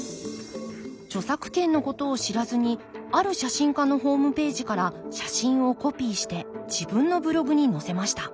著作権のことを知らずにある写真家のホームページから写真をコピーして自分のブログに載せました。